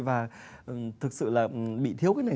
và thực sự là bị thiếu cái này